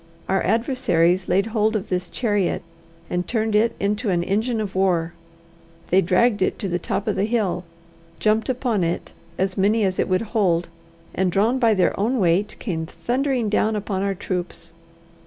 Our adversaries laid hold of this chariot, and turned it into an engine of war. They dragged it to the top of the hill, jumped upon it, as many as it would hold, and, drawn by their own weight, came thundering down upon our troops.